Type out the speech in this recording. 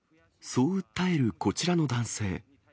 そう訴えるこちらの男性。